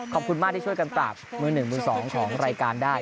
ขอบคุณมากที่ช่วยกันปราบมือหนึ่งมือสองของรายการได้